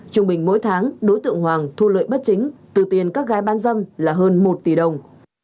trung bình mỗi tháng đối tượng hoàng thu lợi bất chính từ tiền các gái bán dâm là hơn một tỷ đồng